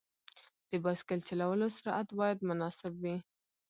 د بایسکل چلولو سرعت باید مناسب وي.